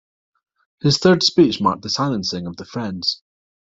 His third speech marked the silencing of the friends.